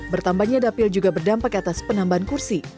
bertambahnya dapil juga berdampak atas penambahan kursi